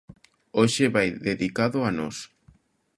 Hoxe vai dedicado a nós.